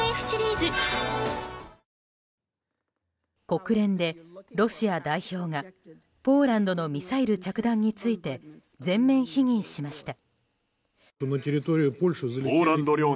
国連でロシア代表がポーランドのミサイル着弾について全面否認しました。